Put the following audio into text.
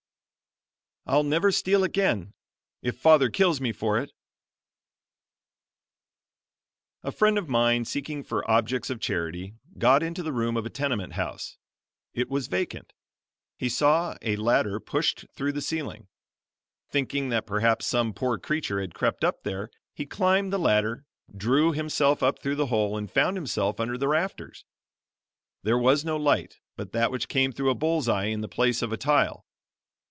"I'LL NEVER STEAL AGAIN IF FATHER KILLS ME FOR IT" A friend of mine, seeking for objects of charity, got into the room of a tenement house. It was vacant. He saw a ladder pushed through the ceiling. Thinking that perhaps some poor creature had crept up there, he climbed the ladder, drew himself up through the hole and found himself under the rafters. There was no light but that which came through a bull's eye in the place of a tile.